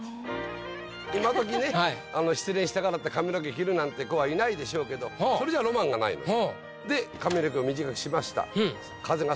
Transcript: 今どきね失恋したからって髪の毛切るなんて子はいないでしょうけどそれじゃロマンがないのよ。